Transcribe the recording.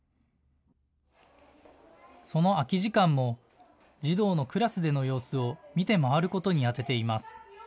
その空き時間も児童のクラスでの様子を見て回ることに充てています。